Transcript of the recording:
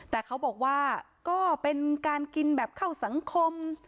แต่เขาบอกว่าก็เป็นการกินแบบเข้าสังคม